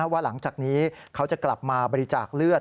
ว่าหลังจากนี้เขาจะกลับมาบริจาคเลือด